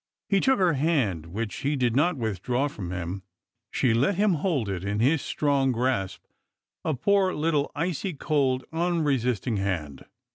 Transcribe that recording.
He took her hand, which she did not withdraw from him; she let him hold it in his strong grasp, a poor little icy cold un resisting hand.